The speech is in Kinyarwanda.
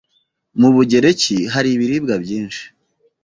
Mu Bugereki hari ibirwa byinshi.